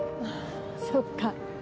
そっか。